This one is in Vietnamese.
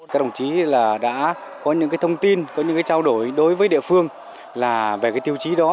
các đồng chí đã có những thông tin có những trao đổi đối với địa phương về tiêu chí đó